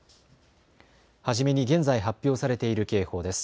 初めに現在、発表されている警報です。